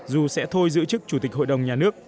dù sẽ thôi giữ chức chủ tịch hội đồng nhà nước